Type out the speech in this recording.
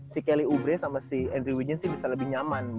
si kelly oubre sama si andrew wiggins bisa lebih nyaman